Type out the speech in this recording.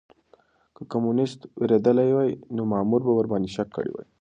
که کمونيسټ وېرېدلی وای نو مامور به ورباندې شک کړی وای.